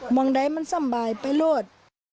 มองได้มันสำบายประโลธ